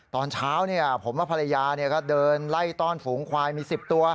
ตอนเช้าผมและภรรยาก็เดินไล่ต้อนฝูงควายมี๑๐ตัว